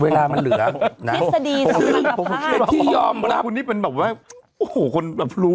เวลามันเหลือนะครับโอ้โฮคุณนี่เป็นแบบว่าโอ้โฮคนแบบรู้